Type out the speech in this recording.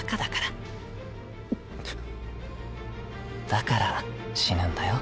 だから死ぬんだよ。